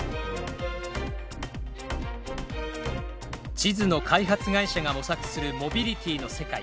地図の開発会社が模索するモビリティの世界。